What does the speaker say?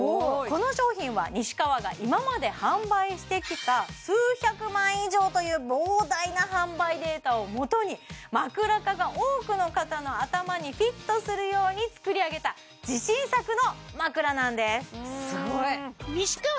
この商品は西川が今まで販売してきた数百万以上という膨大な販売データをもとにまくら課が多くの方の頭にフィットするように作り上げた自信作の枕なんです